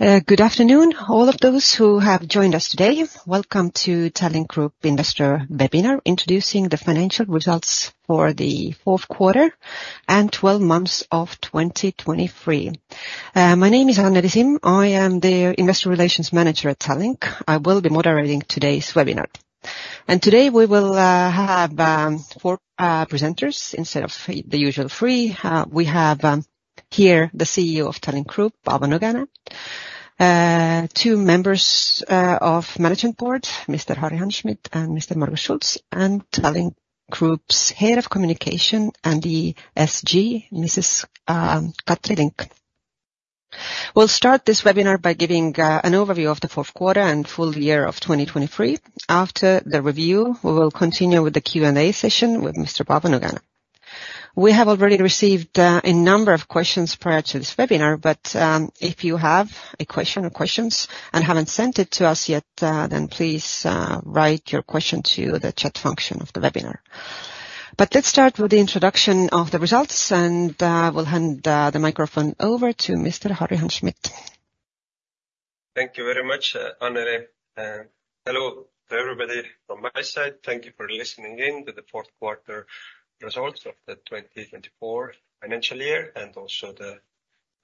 Good afternoon, all of those who have joined us today. Welcome to Tallink Group Investor Webinar introducing the financial results for the fourth quarter and 12 months of 2023. My name is Anneli Simm, I am the Investor Relations Manager at Tallink. I will be moderating today's webinar. Today we will have four presenters instead of the usual three. We have here the CEO of Tallink Group, Paavo Nõgene; two members of management board, Mr. Harri Hanschmidt and Mr. Margus Schults; and Tallink Group's Head of Communication and ESG, Mrs. Katri Link. We'll start this webinar by giving an overview of the fourth quarter and full year of 2023. After the review, we will continue with the Q&A session with Mr. Paavo Nõgene. We have already received a number of questions prior to this webinar, but if you have a question or questions and haven't sent it to us yet, then please write your question to the chat function of the webinar. But let's start with the introduction of the results, and we'll hand the microphone over to Mr. Harri Hanschmidt. Thank you very much, Anneli. Hello to everybody from my side. Thank you for listening in to the fourth quarter results of the 2024 financial year and also the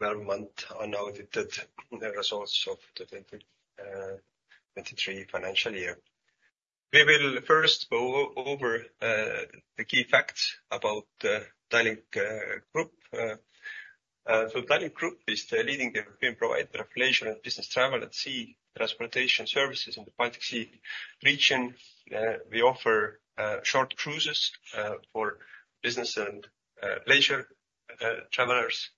12-month unaudited results of the 2023 financial year. We will first go over the key facts about the Tallink Grupp. So Tallink Grupp is the leading European provider of leisure and business travel at sea, transportation services in the Baltic Sea region. We offer short cruises for business and leisure travelers.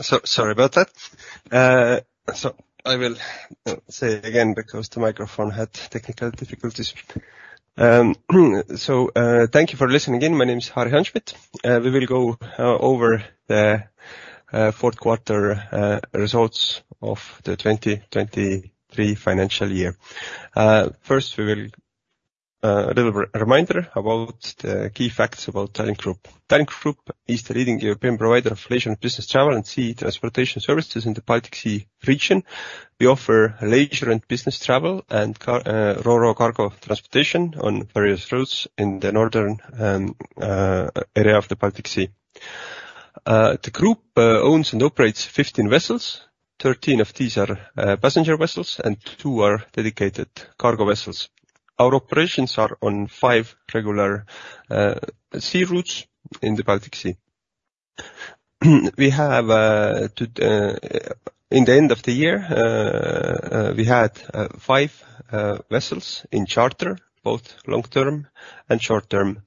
Sorry about that, I will say it again because the microphone had technical difficulties. So, thank you for listening in. My name is Harri Hanschmidt. We will go over the fourth quarter results of the 2023 financial year. First we will, a little reminder about the key facts about Tallink Grupp. Tallink Group is the leading European provider of leisure and business travel at sea, transportation services in the Baltic Sea region. We offer leisure and business travel, ro-ro cargo transportation on various routes in the northern area of the Baltic Sea. The Group owns and operates 15 vessels. 13 of these are passenger vessels, and 2 are dedicated cargo vessels. Our operations are on 5 regular sea routes in the Baltic Sea. We had, too, in the end of the year, 5 vessels in charter, both long-term and short-term.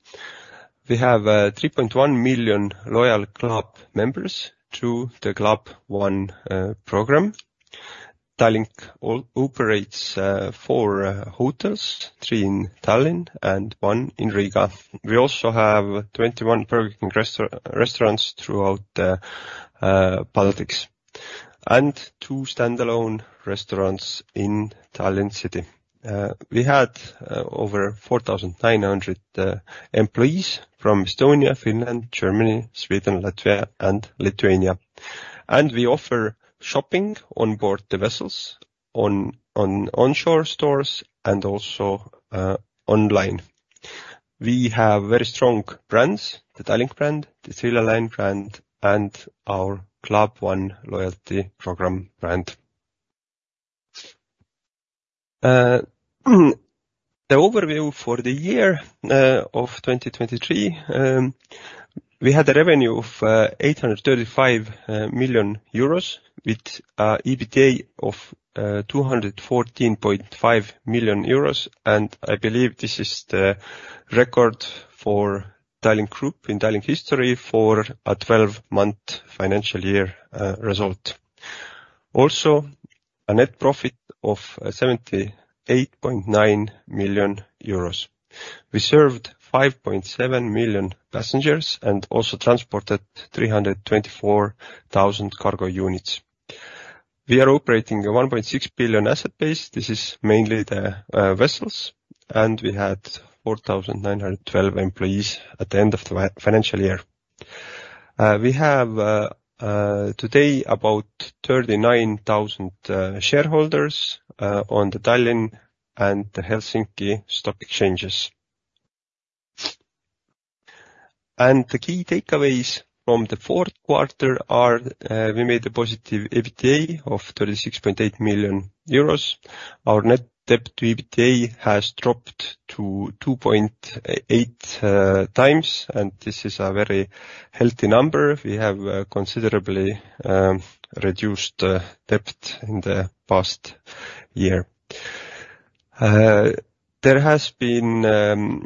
We have 3.1 million loyal club members through the Club One program. Tallink also operates 4 hotels, 3 in Tallinn and 1 in Riga. We also have 21 Burger King restaurants throughout the Baltics and 2 standalone restaurants in Tallinn city. We had over 4,900 employees from Estonia, Finland, Germany, Sweden, Latvia, and Lithuania. We offer shopping on board the vessels, on onshore stores, and also online. We have very strong brands, the Tallink brand, the Silja Line brand, and our Club One loyalty program brand. The overview for the year of 2023, we had a revenue of 835,000,000 euros with EBITDA of 214.5 million euros, and I believe this is the record for Tallink Group in Tallink history for a 12-month financial year result. Also, a net profit of 78.9 million euros. We served 5.7 million passengers and also transported 324,000 cargo units. We are operating a 1.6 billion asset base. This is mainly the vessels, and we had 4,912 employees at the end of the financial year. We have today about 39,000 shareholders on the Tallinn and Helsinki stock exchanges. The key takeaways from the fourth quarter are we made a positive EBITDA of 36.8 million euros. Our net debt to EBITDA has dropped to 2.8 times, and this is a very healthy number. We have considerably reduced debt in the past year. There has been an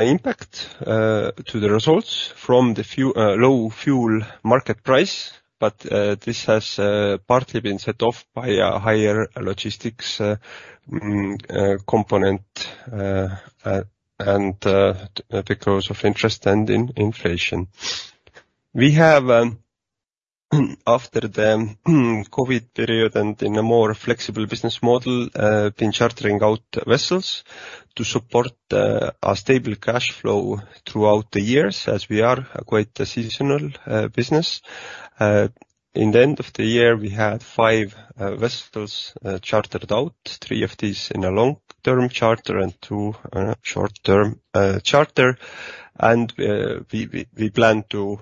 impact to the results from the low fuel market price, but this has partly been set off by a higher logistics component and because of interest and inflation. We have, after the COVID period and in a more flexible business model, been chartering out vessels to support our stable cash flow throughout the years as we are quite a seasonal business. In the end of the year, we had five vessels chartered out, three of these in a long-term charter and two short-term charter. We plan to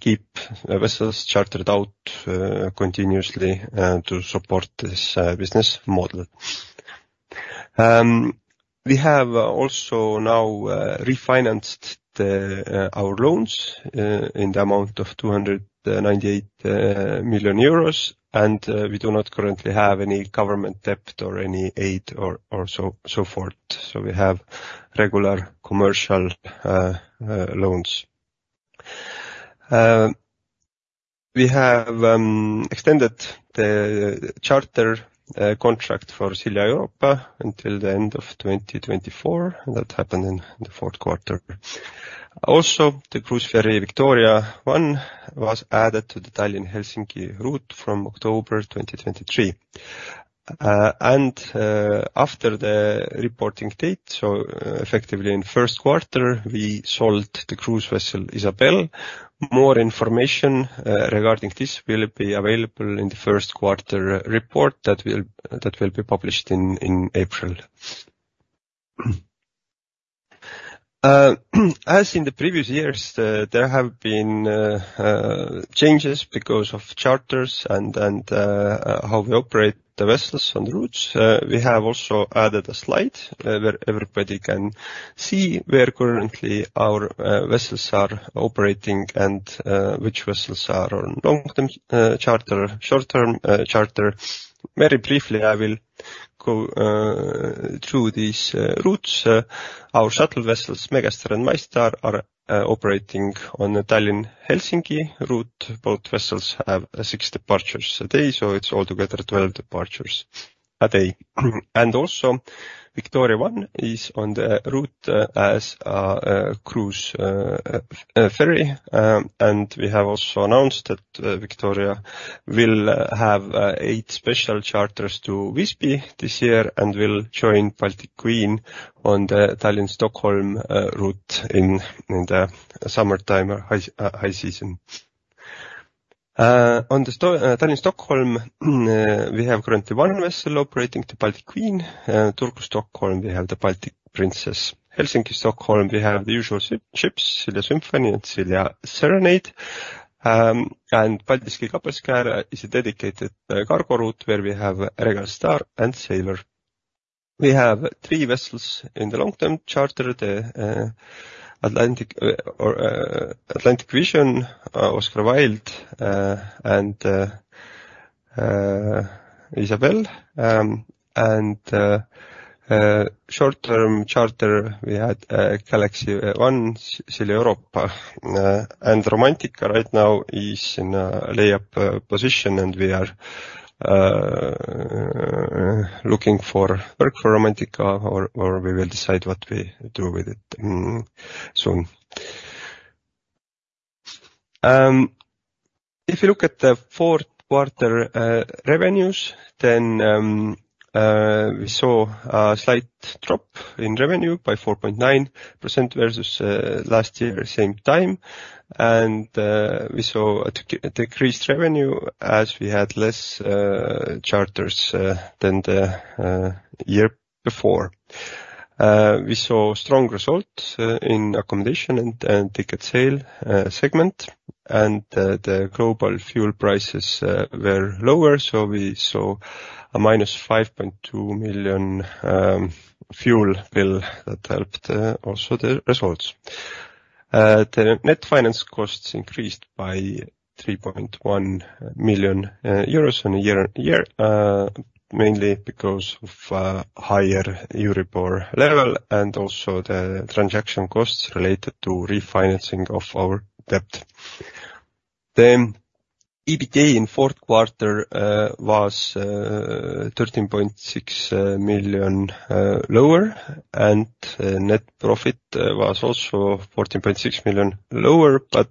keep the vessels chartered out continuously to support this business model. We have also now refinanced our loans in the amount of 298,000,000 euros, and we do not currently have any government debt or any aid or so forth. So we have regular commercial loans. We have extended the charter contract for Silja Europa until the end of 2024, and that happened in the fourth quarter. Also, the cruise ferry Victoria I was added to the Tallinn-Helsinki route from October 2023. After the reporting date, so effectively in first quarter, we sold the cruise vessel Isabelle. More information regarding this will be available in the first quarter report that will be published in April. As in the previous years, there have been changes because of charters and how we operate the vessels on the routes. We have also added a slide, where everybody can see where currently our vessels are operating and which vessels are on long-term charter, short-term charter. Very briefly, I will go through these routes. Our shuttle vessels, Megastar and MyStar, are operating on the Tallinn-Helsinki route. Both vessels have six departures a day, so it's altogether 12 departures a day. And also, Victoria I is on the route as a cruise ferry, and we have also announced that Victoria I will have eight special charters to Visby this year and will join Baltic Queen on the Tallinn-Stockholm route in the summertime or high season. On the Stockholm-Tallinn-Stockholm, we have currently one vessel operating to Baltic Queen. Turku-Stockholm, we have the Baltic Princess. Helsinki-Stockholm, we have the usual ships, Silja Symphony and Silja Serenade. And Paldiski-Kapellskär is a dedicated cargo route where we have Regal Star and Sailor. We have 3 vessels in the long-term charter, the Atlantic Vision, Oscar Wilde, and Isabel. In short-term charter, we had Galaxy I, Silja Europa. Romantika right now is in a layup position, and we are looking for work for Romantika, or we will decide what we do with it soon. If you look at the fourth quarter revenues, then we saw a slight drop in revenue by 4.9% versus last year same time. We saw decreased revenue as we had less charters than the year before. We saw strong results in accommodation and ticket sale segment, and the global fuel prices were lower, so we saw a minus 5.2 million fuel bill that helped also the results. The net finance costs increased by 3.1 million euros year-on-year, mainly because of higher Euribor level and also the transaction costs related to refinancing of our debt. The EBITDA in fourth quarter was 13.6 million lower, and net profit was also 14.6 million lower, but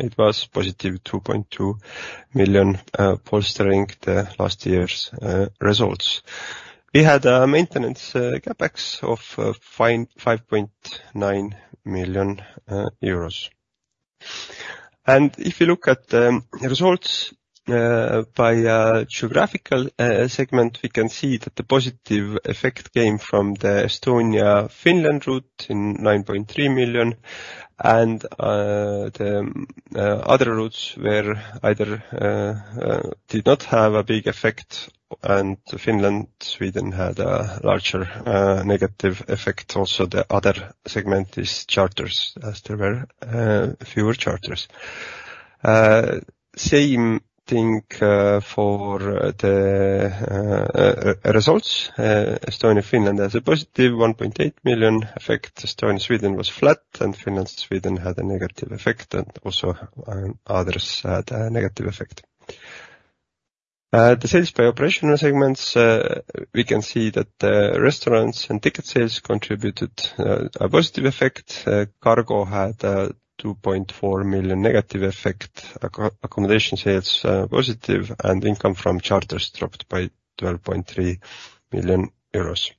it was positive 2.2 million, bolstering last year's results. We had a maintenance Capex of 5.9 million euros. If you look at the results by geographical segment, we can see that the positive effect came from the Estonia-Finland route in 9.3 million and the other routes where either did not have a big effect and Finland-Sweden had a larger negative effect. Also, the other segment is charters as there were fewer charters. The same thing for the results. Estonia-Finland has a positive 1.8 million effect. Estonia-Sweden was flat, and Finland-Sweden had a negative effect, and also others had a negative effect. The sales by operational segments, we can see that the restaurants and ticket sales contributed a positive effect. Cargo had a 2.4 million negative effect, accommodation sales positive, and income from charters dropped by 12.3 million euros.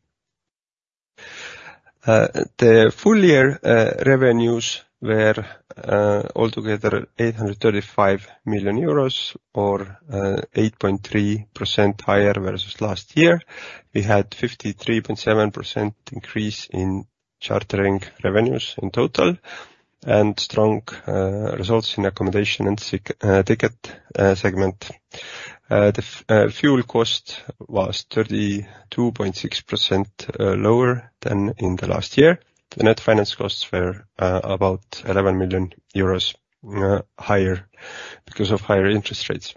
The full year revenues were altogether 835,000,000 euros or 8.3% higher versus last year. We had a 53.7% increase in chartering revenues in total and strong results in accommodation and ticket segment. The fuel cost was 32.6% lower than in the last year. The net finance costs were about 11,000,000 euros higher because of higher interest rates.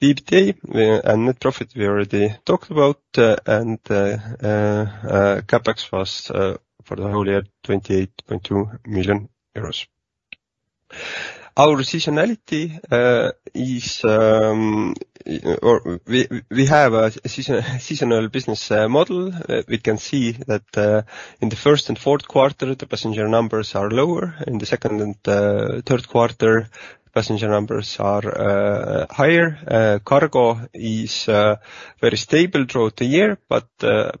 EBITDA and net profit we already talked about, and CapEx was for the whole year 28.2 million euros. Our seasonality is, or we have a seasonal business model. We can see that in the first and fourth quarter the passenger numbers are lower. In the second and third quarter passenger numbers are higher. Cargo is very stable throughout the year, but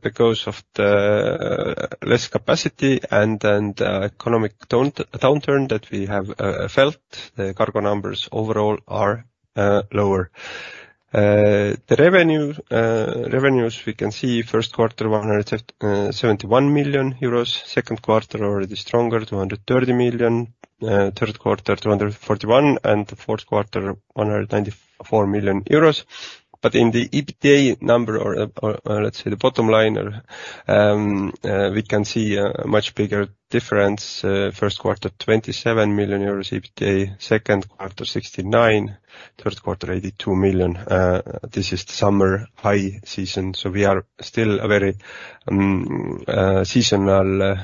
because of the less capacity and economic downturn that we have felt, the cargo numbers overall are lower. Revenues we can see first quarter 171,000,000 euros, second quarter already stronger 230,000,000, third quarter 241,000,000, and the fourth quarter 194,000,000 euros. But in the EBITDA number, or let's say the bottom line, we can see a much bigger difference. First quarter 27,000,000 euro EBITDA, second quarter 69,000,000, third quarter 82,000,000. This is the summer high season, so we are still a very seasonal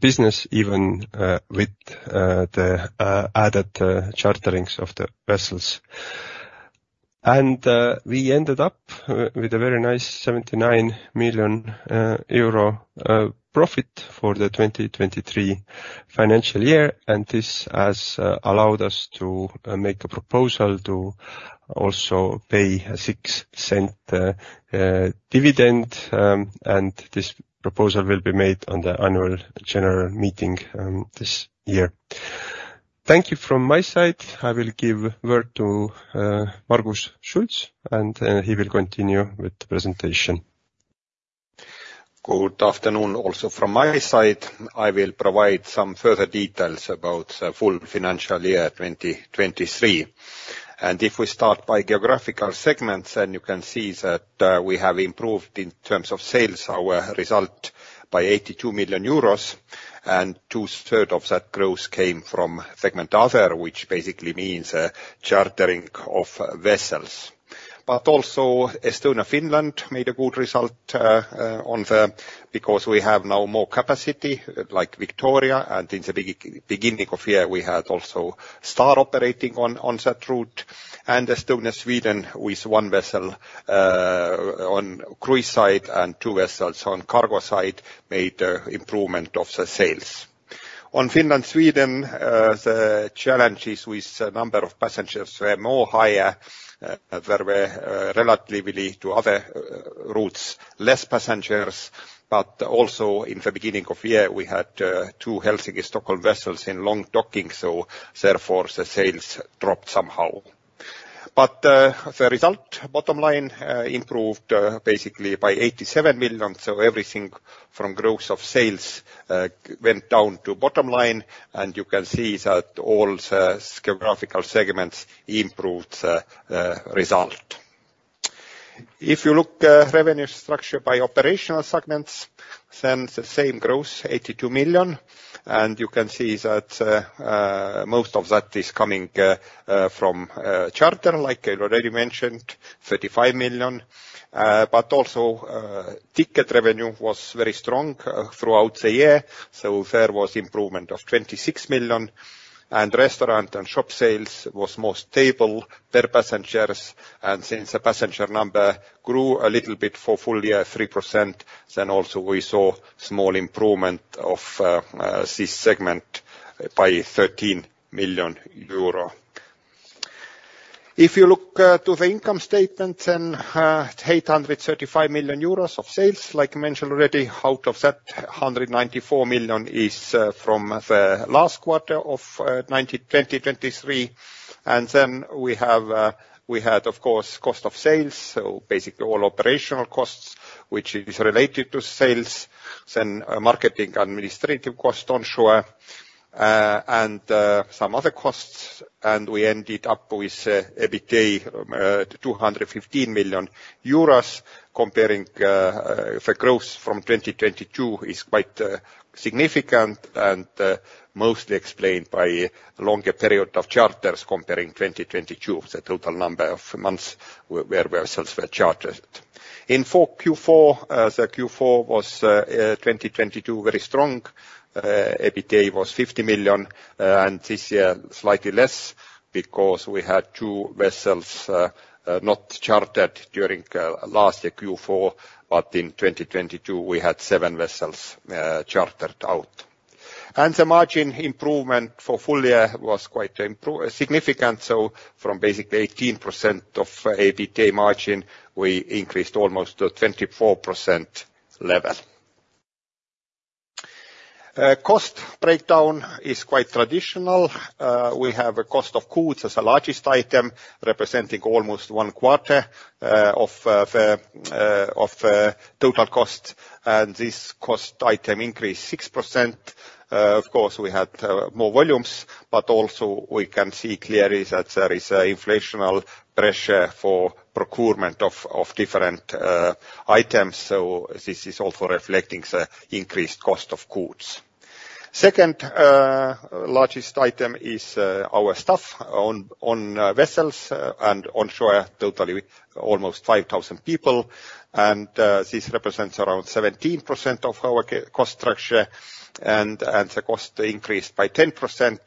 business even with the added charterings of the vessels. We ended up with a very nice 79,000,000 euro profit for the 2023 financial year, and this has allowed us to make a proposal to also pay a 0.06 dividend, and this proposal will be made on the annual general meeting this year. Thank you from my side. I will give the word to Margus Schults, and he will continue with the presentation. Good afternoon also from my side. I will provide some further details about the full financial year 2023. If we start by geographical segments, then you can see that we have improved in terms of sales our result by 82,000,000 euros, and 2/3 of that growth came from segment other, which basically means chartering of vessels. Also, Estonia-Finland made a good result, on the, because we have now more capacity like Victoria, and in the beginning of year, we had also Star operating on that route. Estonia-Sweden, with one vessel on cruise side and two vessels on cargo side, made an improvement of the sales. On Finland-Sweden, the challenges with the number of passengers were more higher, where we relatively to other routes had less passengers. But also, in the beginning of year, we had two Helsinki-Stockholm vessels in long docking, so therefore the sales dropped somehow. But the result, bottom line, improved basically by 87,000,000, so everything from growth of sales went down to bottom line, and you can see that all the geographical segments improved the result. If you look at revenue structure by operational segments, then the same growth, 82,000,000, and you can see that most of that is coming from charter, like I already mentioned, 35,000,000. But also, ticket revenue was very strong throughout the year, so there was an improvement of 26,000,000, and restaurant and shop sales were most stable per passengers. And since the passenger number grew a little bit for the full year, 3%, then also we saw a small improvement of this segment by 13,000,000 euro. If you look to the income statements, then 835,000,000 euros of sales, like I mentioned already, out of that, 194,000,000 is from the last quarter of 2023. Then we have, we had, of course, cost of sales, so basically all operational costs, which is related to sales, then marketing and administrative costs onshore, and some other costs. We ended up with EBITDA of EUR 215,000,000, comparing the growth from 2022 is quite significant and mostly explained by a longer period of charters comparing 2022, the total number of months where vessels were chartered. In Q4, the Q4 was, 2022 very strong. EBITDA was 50,000,000, and this year slightly less because we had two vessels, not chartered during last year Q4, but in 2022, we had seven vessels, chartered out. The margin improvement for the full year was quite significant, so from basically 18% of EBITDA margin, we increased almost to a 24% level. Cost breakdown is quite traditional. We have a cost of goods as the largest item representing almost one quarter of the total cost, and this cost item increased 6%. Of course, we had more volumes, but also we can see clearly that there is an inflationary pressure for procurement of different items, so this is also reflecting the increased cost of goods. The second largest item is our staff on vessels and onshore, totally almost 5,000 people, and this represents around 17% of our cost structure. And the cost increased by 10%,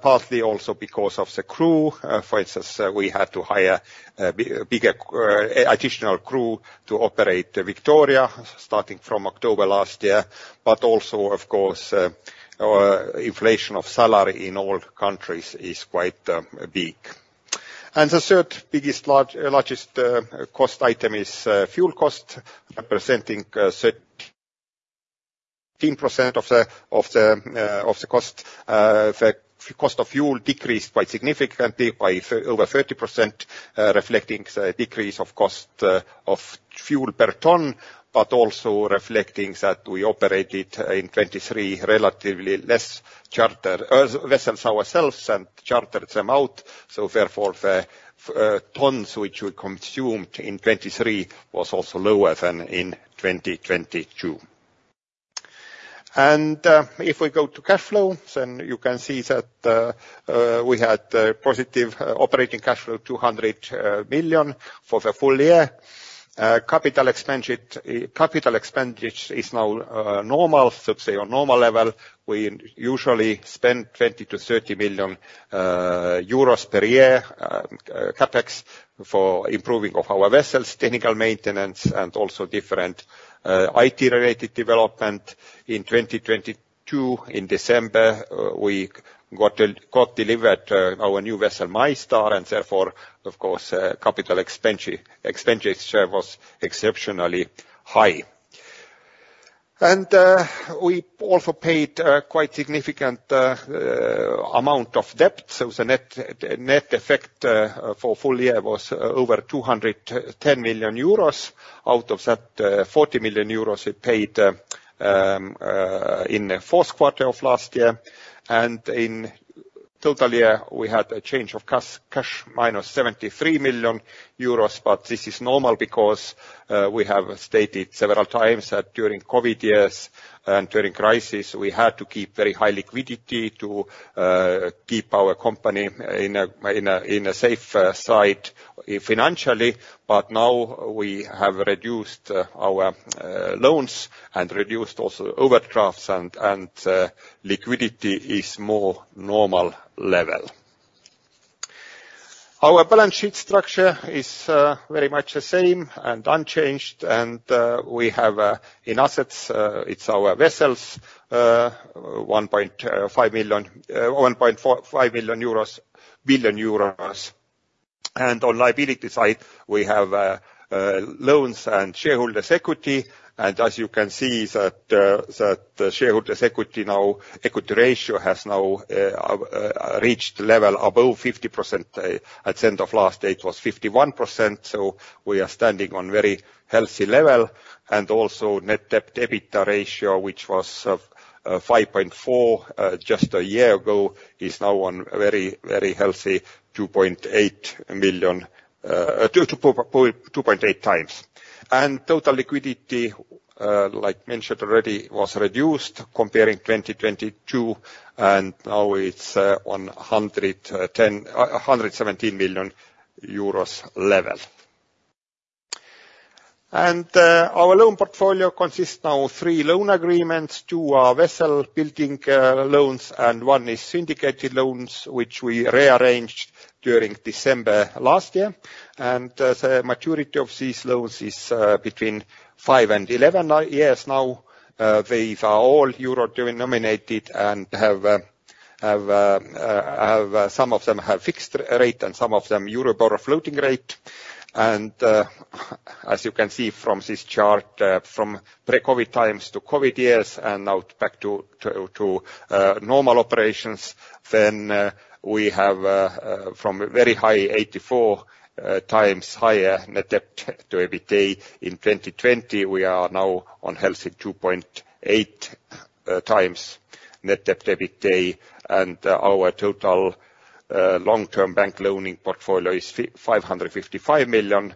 partly also because of the crew. For instance, we had to hire a bigger additional crew to operate Victoria starting from October last year. But also, of course, inflation of salary in all countries is quite big. And the third biggest, largest cost item is fuel cost, representing [inaudible] of the cost. The cost of fuel decreased quite significantly by over 30%, reflecting the decrease of cost of fuel per ton, but also reflecting that we operated in 2023 relatively less chartered vessels ourselves and chartered them out. So therefore, the tons which we consumed in 2023 were also lower than in 2022. And if we go to cash flow, then you can see that we had a positive operating cash flow of 200,000,000 for the full year. Capital expenditure is now normal, so to say, on a normal level. We usually spend 20 million- 30 million euros per year on Capex for improving our vessels, technical maintenance, and also different IT-related development. In 2022, in December, we got delivered our new vessel MyStar, and therefore, of course, capital expenditure was exceptionally high. We also paid a quite significant amount of debt, so the net effect for the full year was over 210,000,000 euros. Out of that, 40,000,000 euros we paid in the fourth quarter of last year. In the total year, we had a change of cash minus 73,000,000 euros, but this is normal because we have stated several times that during COVID years and during crises, we had to keep very high liquidity to keep our company in a safer side financially. But now we have reduced our loans and reduced also overdrafts, and liquidity is more normal level. Our balance sheet structure is very much the same and unchanged, and we have in assets, it is our vessels, 1.5 billion euros. On the liability side, we have loans and shareholders' equity. As you can see, that shareholders' equity now, equity ratio has now reached the level above 50%. At the end of last date, it was 51%, so we are standing on a very healthy level. Also, net debt/EBITDA ratio, which was 5.4 just a year ago, is now on a very, very healthy 2.8x. Total liquidity, like mentioned already, was reduced comparing 2022, and now it is on 117,000,000 euros level. Our loan portfolio consists now of three loan agreements: two are vessel building loans and one is syndicated loans, which we rearranged during December last year. The maturity of these loans is between 5 and 11 years now. They are all euro-denominated and have some of them have fixed rate and some of them Euribor floating rate. As you can see from this chart, from pre-COVID times to COVID years and now back to normal operations, we have from a very high 8.4x net debt to EBITDA. In 2020, we are now on a healthy 2.8x net debt to EBITDA. Our total long-term bank loan portfolio is 555,000,000.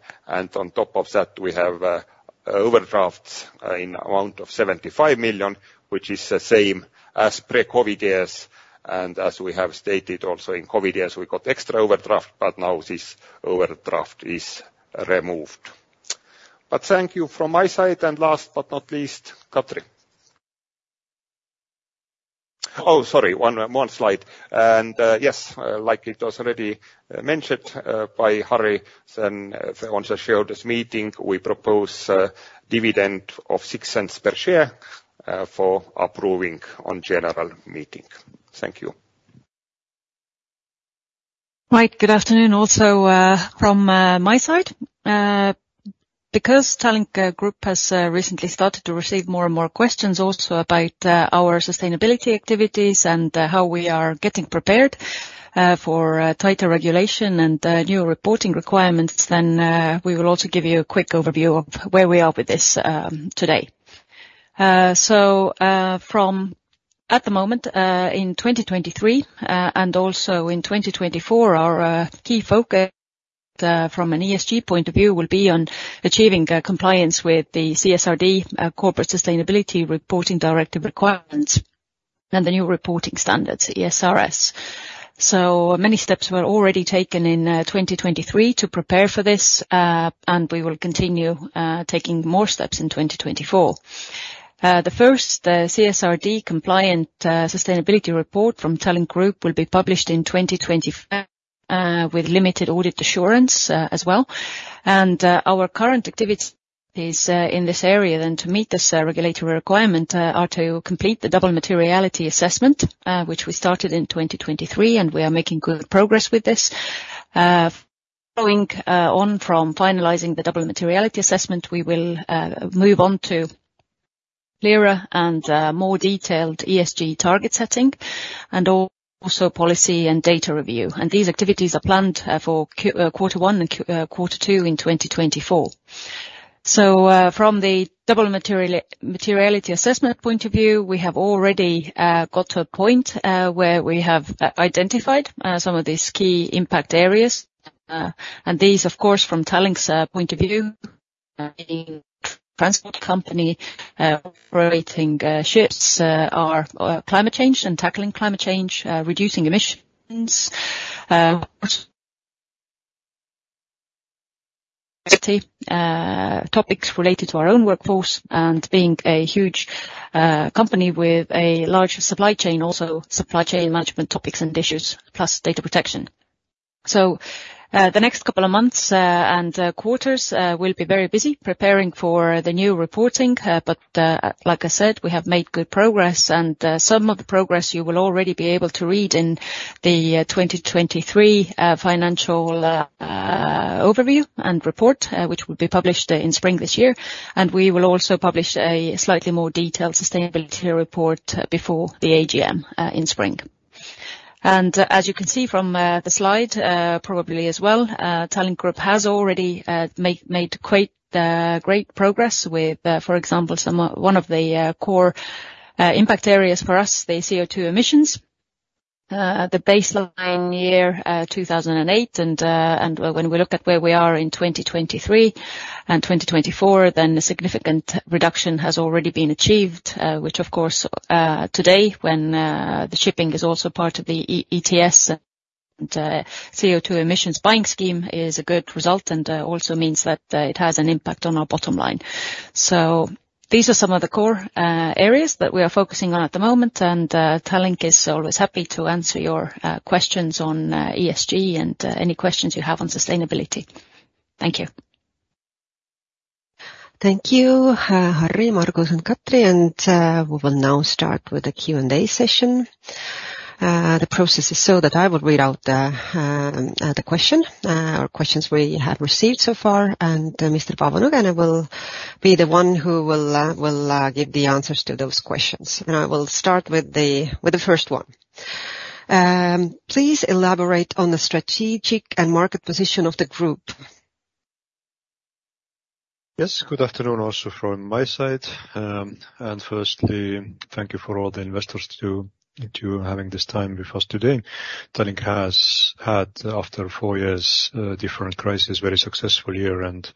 On top of that, we have overdrafts in the amount of 75,000,000, which is the same as pre-COVID years. As we have stated also in COVID years, we got extra overdraft, but now this overdraft is removed. Thank you from my side. Last but not least, Katri. Oh, sorry, one slide. Yes, like it was already mentioned by Harri, on the shareholders' meeting, we propose a dividend of 0.06 per share for approving on the general meeting. Thank you. Right. Good afternoon also from my side. Because Tallink Group has recently started to receive more and more questions also about our sustainability activities and how we are getting prepared for tighter regulation and new reporting requirements, then we will also give you a quick overview of where we are with this today. So, at the moment in 2023 and also in 2024, our key focus from an ESG point of view will be on achieving compliance with the CSRD Corporate Sustainability Reporting Directive requirements and the new reporting standards, ESRS. So many steps were already taken in 2023 to prepare for this, and we will continue taking more steps in 2024. The CSRD compliant sustainability report from Tallink Group will be published in 2025 with limited audit assurance as well. Our current activities in this area then to meet this regulatory requirement are to complete the double materiality assessment, which we started in 2023, and we are making good progress with this. Following on from finalising the double materiality assessment, we will move on to clearer and more detailed ESG target setting and also policy and data review. These activities are planned for quarter one and quarter two in 2024. From the double materiality assessment point of view, we have already got to a point where we have identified some of these key impact areas. These, of course, from Tallink's point of view, meaning transport company operating ships are climate change and tackling climate change, reducing emissions, topics related to our own workforce, and being a huge company with a large supply chain also, supply chain management topics and issues, plus data protection. So the next couple of months and quarters will be very busy preparing for the new reporting. But like I said, we have made good progress, and some of the progress you will already be able to read in the 2023 financial overview and report, which will be published in spring this year. And we will also publish a slightly more detailed sustainability report before the AGM in spring. And as you can see from the slide probably as well, Tallink Group has already made quite great progress with, for example, one of the core impact areas for us, the CO2 emissions. The baseline year 2008, and when we look at where we are in 2023 and 2024, then a significant reduction has already been achieved, which of course today, when the shipping is also part of the ETS and CO2 emissions buying scheme, is a good result and also means that it has an impact on our bottom line. So these are some of the core areas that we are focusing on at the moment, and Tallink is always happy to answer your questions on ESG and any questions you have on sustainability. Thank you. Thank you, Harri, Margus, and Katri. We will now start with the Q&A session. The process is so that I will read out the question or questions we have received so far, and Mr. Paavo Nõgene will be the one who will give the answers to those questions. I will start with the first one. Please elaborate on the strategic and market position of the group. Yes. Good afternoon also from my side. First, thank you to all the investors for having this time with us today. Tallink has had, after four years of different crises, a very successful year. And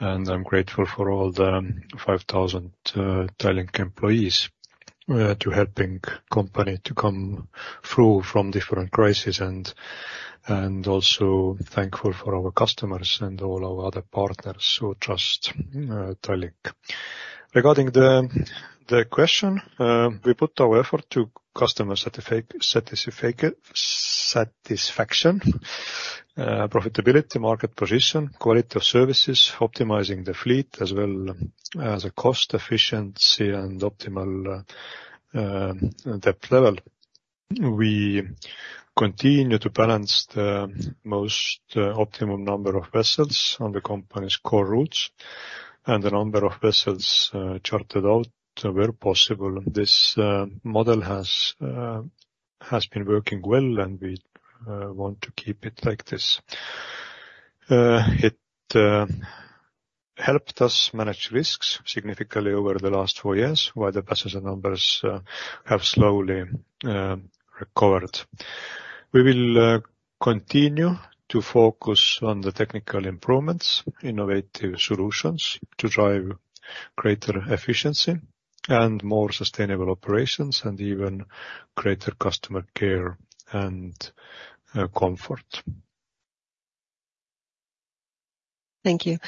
I'm grateful for all the 5,000 Tallink employees to helping the company to come through from different crises. Also thankful for our customers and all our other partners who trust Tallink. Regarding the question, we put our effort to customer satisfaction, profitability, market position, quality of services, optimizing the fleet as well as the cost efficiency and optimal debt level. We continue to balance the most optimum number of vessels on the company's core routes and the number of vessels chartered out where possible. This model has been working well, and we want to keep it like this. It helped us manage risks significantly over the last four years, while the passenger numbers have slowly recovered. We will continue to focus on the technical improvements, innovative solutions to drive greater efficiency and more sustainable operations, and even greater customer care and comfort. Thank you.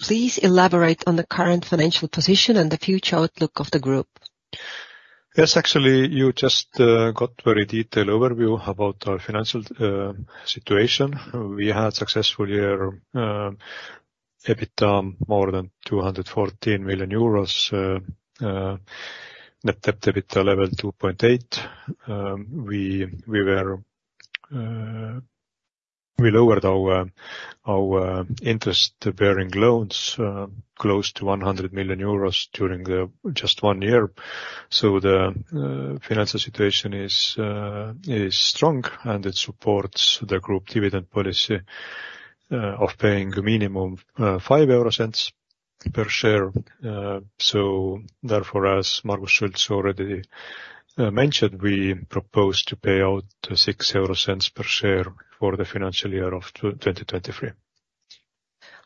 Please elaborate on the current financial position and the future outlook of the group. Yes. Actually, you just got a very detailed overview about our financial situation. We had a successful year, EBITDA more than 214,000,000 euros, net debt/EBITDA level 2.8. We lowered our interest-bearing loans close to 100,000,000 euros during just one year. So the financial situation is strong, and it supports the group dividend policy of paying a minimum of EUR 0.05 per share. So therefore, as Margus Schults already mentioned, we propose to pay out 0.06 per share for the financial year of 2023.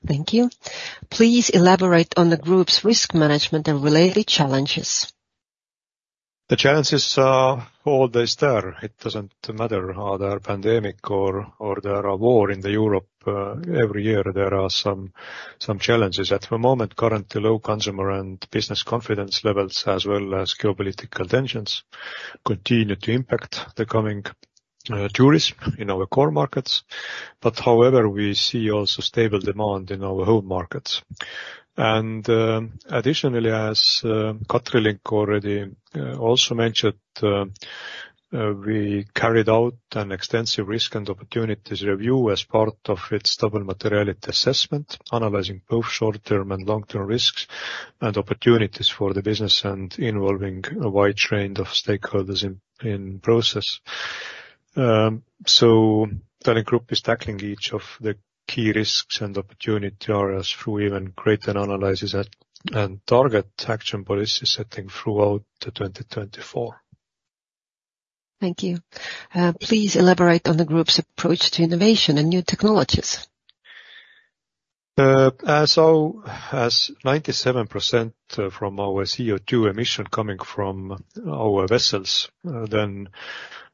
Thank you. Please elaborate on the group's risk management and related challenges? The challenges are all the same. It doesn't matter whether there is a pandemic or there is a war in Europe. Every year, there are some challenges. At the moment, currently, low consumer and business confidence levels, as well as geopolitical tensions, continue to impact the coming tourism in our core markets. But however, we see also stable demand in our home markets. And additionally, as Katri Link already also mentioned, we carried out an extensive risk and opportunities review as part of its double materiality assessment, analyzing both short-term and long-term risks and opportunities for the business and involving a wide range of stakeholders in the process. Tallink Grupp is tackling each of the key risks and opportunity areas through even greater analysis and target action policies setting throughout 2024. Thank you. Please elaborate on the group's approach to innovation and new technologies. As 97% from our CO2 emission coming from our vessels, then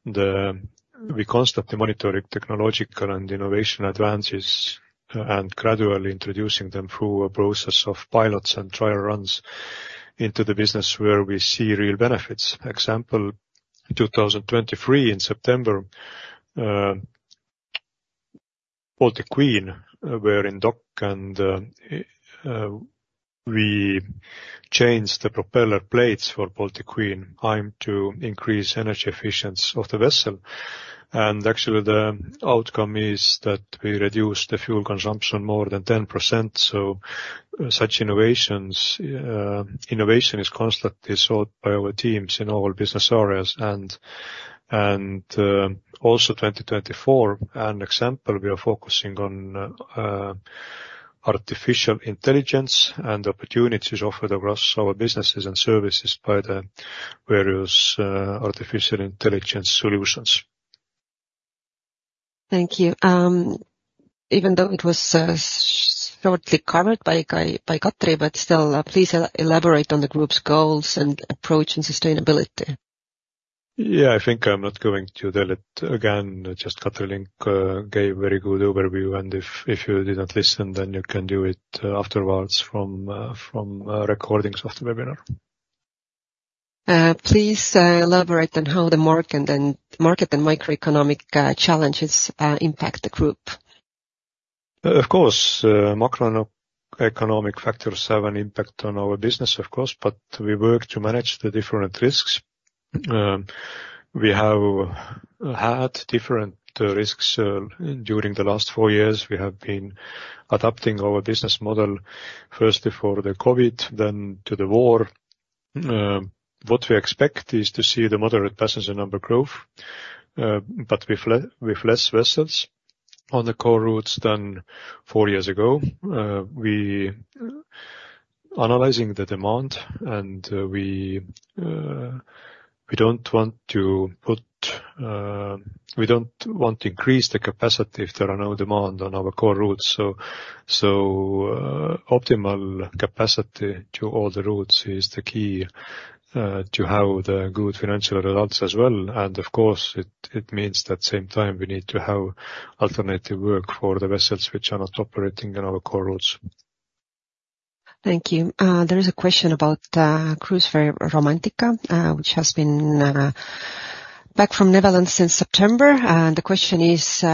we constantly monitor technological and innovation advances and gradually introducing them through a process of pilots and trial runs into the business where we see real benefits. Example, in 2023, in September, Baltic Queen were in dock, and we changed the propeller plates for Baltic Queen trying to increase energy efficiency of the vessel. And actually, the outcome is that we reduced the fuel consumption more than 10%. Such innovation is constantly sought by our teams in all business areas. Also 2024, an example, we are focusing on artificial intelligence and opportunities offered across our businesses and services by the various artificial intelligence solutions. Thank you. Even though it was shortly covered by Katri, but still, please elaborate on the group's goals and approach in sustainability. Yeah. I think I'm not going to tell it again. Just Katri Link gave a very good overview. If you didn't listen, then you can do it afterwards from recordings of the webinar. Please elaborate on how the market and microeconomic challenges impact the group. Of course. Macroeconomic factor have an impact on our business, of course. But we work to manage the different risks. We have had different risks during the last 4 years. We have been adapting our business model firstly for the COVID, then to the war. What we expect is to see the moderate passenger number growth, but with less vessels on the core routes than four years ago. Analyzing the demand, and we don't want to increase the capacity if there is no demand on our core routes. So optimal capacity to all the routes is the key to have the good financial results as well. And of course, it means that same time, we need to have alternative work for the vessels which are not operating on our core routes. Thank you. There is a question about Cruise Ferry Romantika, which has been back from Netherlands since September. And the question is,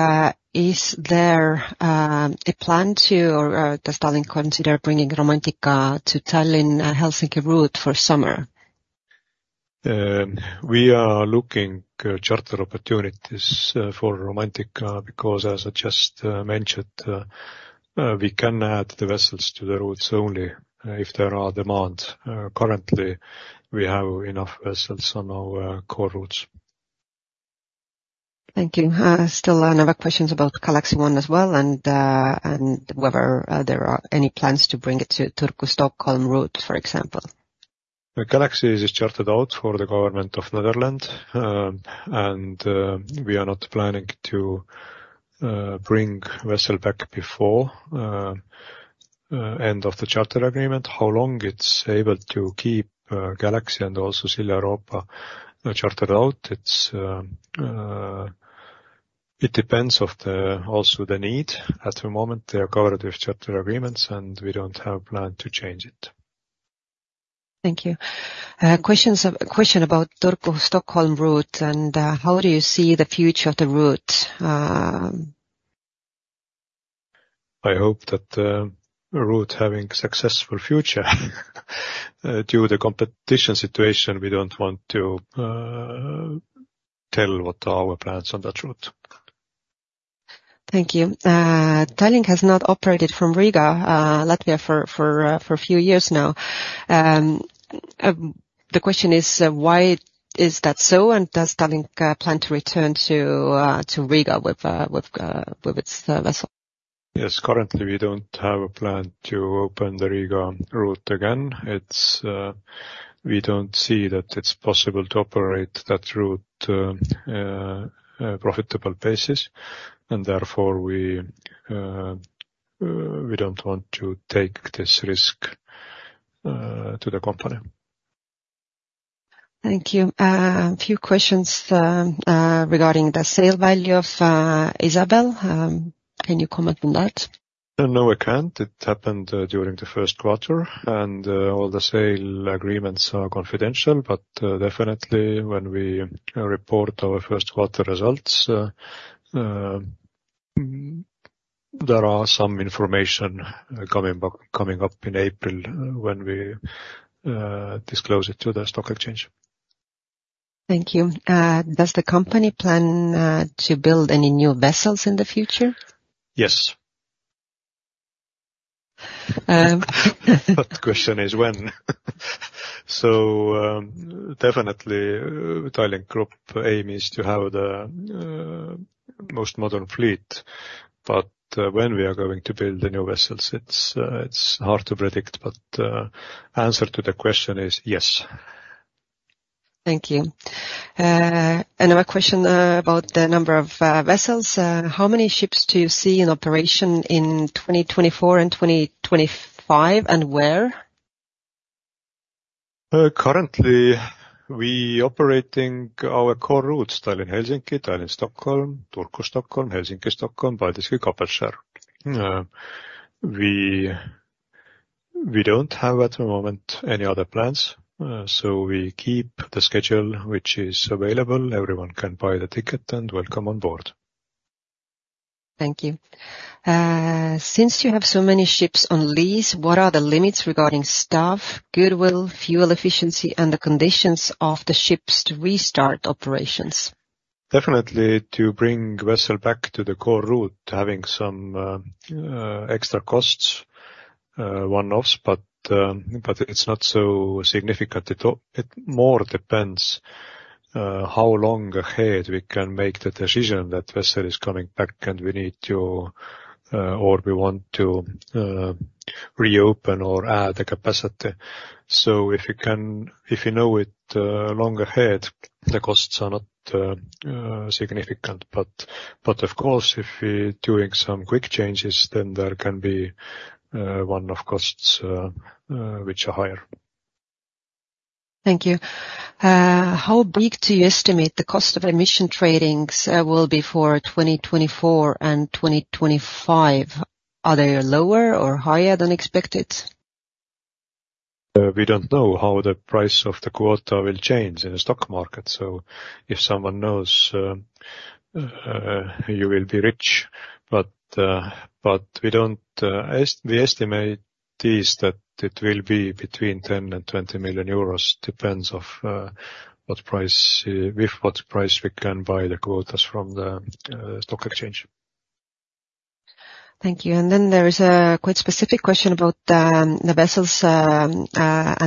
is there a plan to or does Tallink consider bringing Romantika to Tallinn-Helsinki route for summer? We are looking at charter opportunities for Romantika because, as I just mentioned, we can add the vessels to the routes only if there is demand. Currently, we have enough vessels on our core routes. Thank you. Still another question about Galaxy I as well and whether there are any plans to bring it to Turku-Stockholm route, for example. Galaxy I is chartered out for the government of the Netherlands, and we are not planning to bring the vessel back before the end of the charter agreement. How long it's able to keep Galaxy I and also Silja Europa chartered out, it depends also on the need. At the moment, they are covered with charter agreements, and we don't have a plan to change it. Thank you. Question about Turku-Stockholm route, and how do you see the future of the route? I hope that the route has a successful future. Due to the competition situation, we don't want to tell what our plans are on that route. Thank you. Tallink has not operated from Riga, Latvia, for a few years now. The question is, why is that so, and does Tallink plan to return to Riga with its vessel? Yes. Currently, we don't have a plan to open the Riga route again. We don't see that it's possible to operate that route on a profitable basis. And therefore, we don't want to take this risk to the company. Thank you. A few questions regarding the sale value of Isabel. Can you comment on that? No, I can't. It happened during the first quarter. And all the sale agreements are confidential. But definitely, when we report our first quarter results, there is some information coming up in April when we disclose it to the stock exchange. Thank you. Does the company plan to build any new vessels in the future? Yes. The question is when. So definitely, Tallink Grupp aims to have the most modern fleet. But when we are going to build the new vessels, it's hard to predict. But the answer to the question is yes. Thank you. Another question about the number of vessels. How many ships do you see in operation in 2024 and 2025, and where? Currently, we are operating our core routes: Tallinn-Helsinki, Tallinn-Stockholm, Turku-Stockholm, Helsinki-Stockholm, Paldiski-Kapellskär. We don't have at the moment any other plans. So we keep the schedule which is available. Everyone can buy the ticket and welcome on board. Thank you. Since you have so many ships on lease, what are the limits regarding staff, goodwill, fuel efficiency, and the conditions of the ships to restart operations? Definitely, to bring the vessel back to the core route, having some extra costs, one-offs. But it's not so significant. It more depends on how long ahead we can make the decision that the vessel is coming back and we need to or we want to reopen or add the capacity. So if you know it long ahead, the costs are not significant. But of course, if we are doing some quick changes, then there can be one-off costs which are higher. Thank you. How big do you estimate the cost of emissions trading will be for 2024 and 2025? Are they lower or higher than expected? We don't know how the price of the quota will change in the stock market. So if someone knows, you will be rich. But we estimate that it will be between 10,000,000 and 20,000,000 euros. It depends on what price we can buy the quotas from the stock exchange. Thank you. And then there is a quite specific question about the vessels and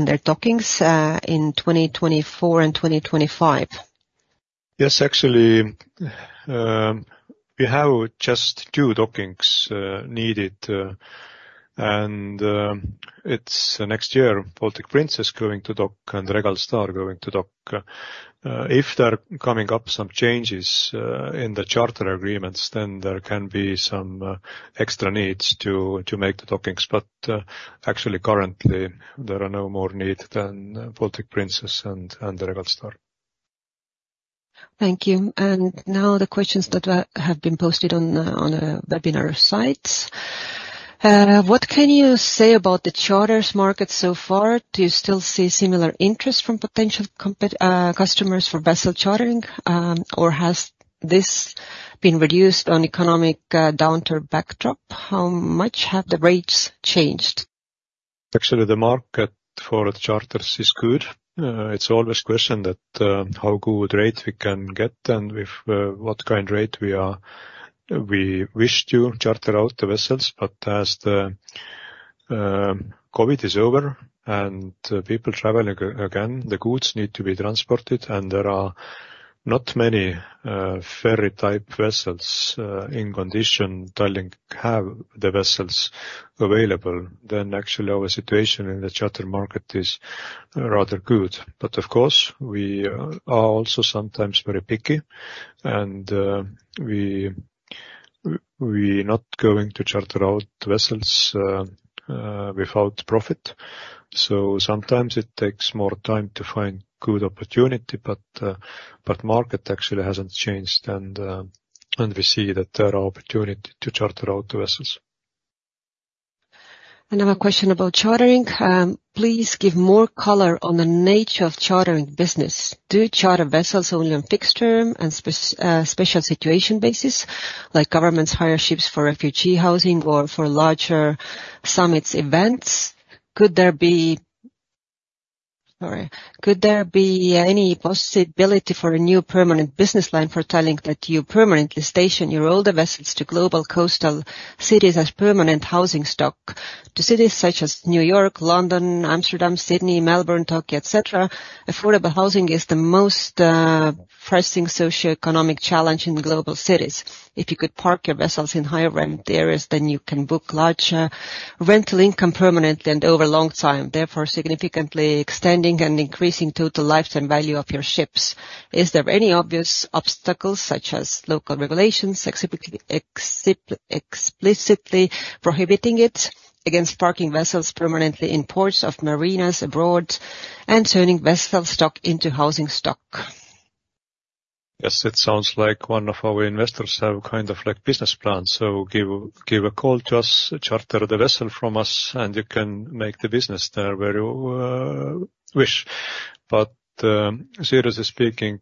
their dockings in 2024 and 2025. Yes. Actually, we have just two dockings needed. And it's next year, Baltic Princess going to dock and Regal Star going to dock. If there are coming up some changes in the charter agreements, then there can be some extra needs to make the dockings. But actually, currently, there is no more need than Baltic Princess and Regal Star. Thank you. And now the questions that have been posted on the webinar site. What can you say about the charters market so far? Do you still see similar interest from potential customers for vessel chartering? Or has this been reduced on an economic downturn backdrop? How much have the rates changed? Actually, the market for the charters is good. It's always a question of how good a rate we can get and with what kind of rate we wish to charter out the vessels. But as COVID is over and people are traveling again, the goods need to be transported. And there are not many ferry-type vessels in condition Tallink has the vessels available. Then actually, our situation in the charter market is rather good. But of course, we are also sometimes very picky. And we are not going to charter out vessels without profit. So sometimes it takes more time to find a good opportunity. But the market actually hasn't changed. And we see that there is an opportunity to charter out the vessels. Another question about chartering. Please give more color on the nature of chartering business. Do charter vessels only on fixed term and special situation basis, like governments hire ships for refugee housing or for larger summits events? Could there be any possibility for a new permanent business line for Tallink that you permanently station your older vessels to global coastal cities as permanent housing stock? To cities such as New York, London, Amsterdam, Sydney, Melbourne, Tokyo, etc., affordable housing is the most pressing socioeconomic challenge in global cities. If you could park your vessels in higher-rent areas, then you can book larger rental income permanently and over a long time, therefore significantly extending and increasing total lifetime value of your ships. Is there any obvious obstacle, such as local regulations explicitly prohibiting it against parking vessels permanently in ports of marinas abroad and turning vessel stock into housing stock? Yes. It sounds like one of our investors has kind of a business plan. So give a call to us, charter the vessel from us, and you can make the business there where you wish. But seriously speaking,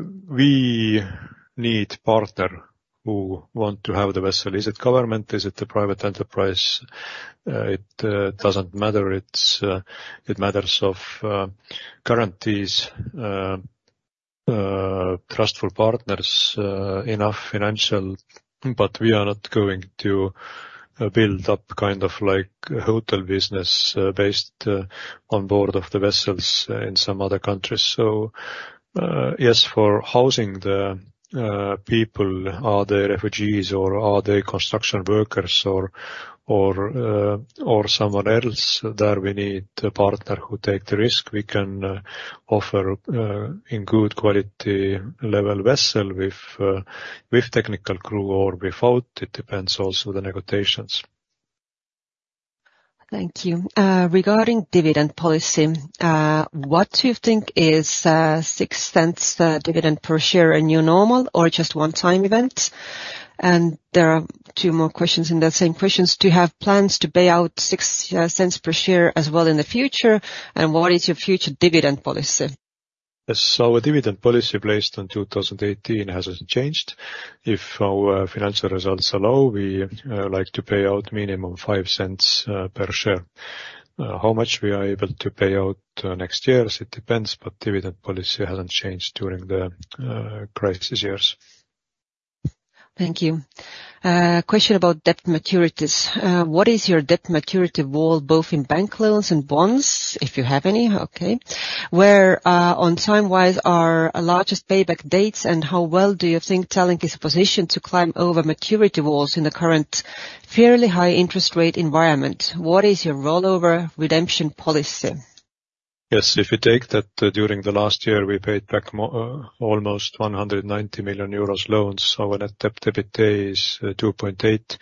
we need a partner who wants to have the vessel. Is it government? Is it a private enterprise? It doesn't matter. It matters of guarantees, trustful partners, enough financial. But we are not going to build up kind of a hotel business based on board of the vessels in some other countries. So yes, for housing the people, are they refugees or are they construction workers or someone else? There, we need a partner who takes the risk. We can offer a good quality-level vessel with technical crew or without. It depends also on the negotiations. Thank you. Regarding dividend policy, what do you think: is 0.06 per share a new normal or just one-time event? And there are two more questions in the same questions. Do you have plans to pay out 0.06 per share as well in the future? And what is your future dividend policy? Yes. So our dividend policy based on 2018 hasn't changed. If our financial results are low, we like to pay out a minimum of EUR 0.05 per share. How much we are able to pay out next year, it depends. But dividend policy hasn't changed during the crisis years. Thank you. Question about debt maturities. What is your debt maturity wall, both in bank loans and bonds, if you have any? Okay. Where on time-wise are the largest payback dates, and how well do you think Tallink is positioned to climb over maturity walls in the current fairly high-interest-rate environment? What is your rollover redemption policy? Yes. If you take that during the last year, we paid back almost 190,000,000 euros in loans. Our net debt to EBITDA is 2.8.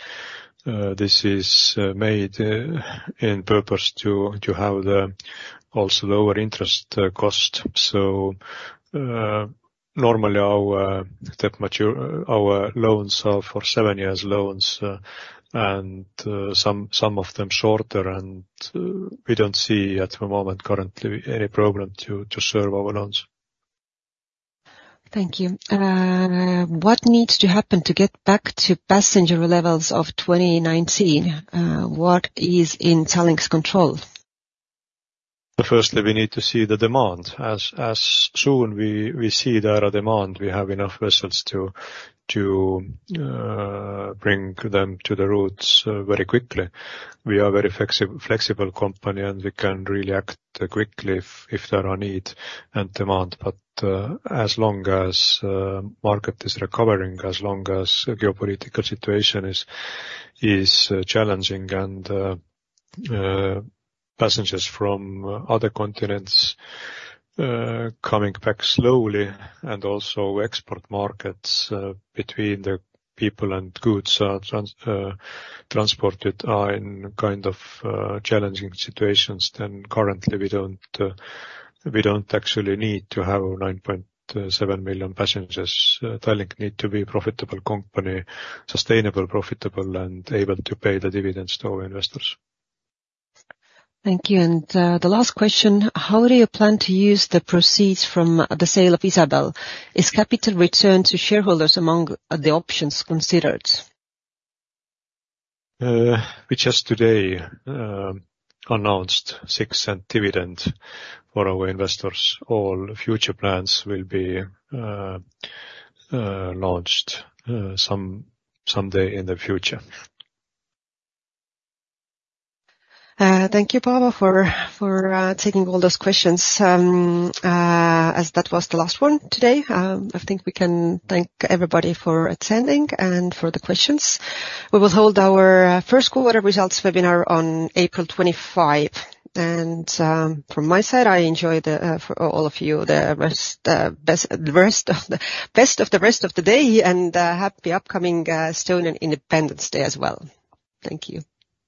This is made in purpose to have also lower interest costs. So normally, our loans are for seven-year loans and some of them shorter. And we don't see at the moment, currently, any problem to serve our loans. Thank you. What needs to happen to get back to passenger levels of 2019? What is in Tallink's control? Firstly, we need to see the demand. As soon as we see there is demand, we have enough vessels to bring them to the routes very quickly. We are a very flexible company, and we can really act quickly if there is a need and demand. But as long as the market is recovering, as long as the geopolitical situation is challenging and passengers from other continents are coming back slowly and also export markets between the people and goods transported are in kind of challenging situations, then currently, we don't actually need to have 9.7 million passengers. Tallink needs to be a profitable company, sustainably profitable, and able to pay the dividends to our investors. Thank you. And the last question. How do you plan to use the proceeds from the sale of Isabel? Is capital return to shareholders among the options considered? We just today announced 0.06 dividend for our investors. All future plans will be launched someday in the future. Thank you, Paavo, for taking all those questions, as that was the last one today. I think we can thank everybody for attending and for the questions. We will hold our first quarter results webinar on April 25. From my side, I enjoy all of you the rest of the best of the rest of the day and happy upcoming Estonian Independence Day as well. Thank you.